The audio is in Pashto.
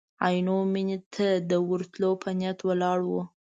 عینو مېنې ته د ورتلو په نیت ولاړو.